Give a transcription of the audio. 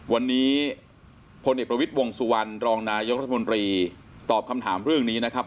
วันนี้พลเอกประวิทย์วงสุวรรณรองนายกรัฐมนตรีตอบคำถามเรื่องนี้นะครับ